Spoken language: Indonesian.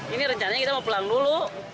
ini rencananya kita mau pulang dulu